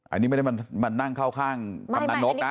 อันนี้ไม่ได้มานั่งเข้าข้างกำนันนกนะ